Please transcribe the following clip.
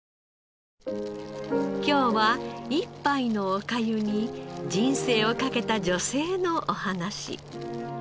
今日は一杯のお粥に人生を懸けた女性のお話。